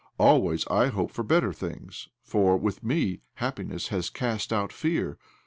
Always I hope for better things, for, with me, happiness has cast out fear.